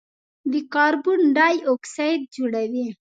د کاربن ډای اکسایډ جوړوي.